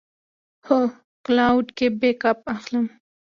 هو، کلاوډ کې بیک اپ اخلم